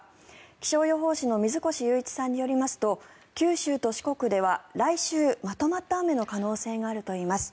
気象予報士の水越祐一さんによりますと九州と四国では来週まとまった雨の可能性があるといいます。